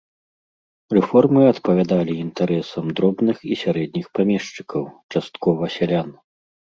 Рэформы адпавядалі інтарэсам дробных і сярэдніх памешчыкаў, часткова сялян.